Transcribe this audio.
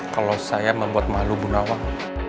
kalo saya membuat malu bunawang